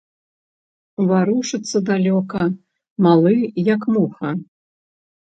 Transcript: Варушыцца далёка, малы, як муха.